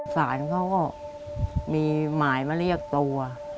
สารเขาก็มีหมายมาเรียกตัว